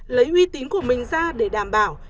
lấy uy tín của mình ra để đảm bảo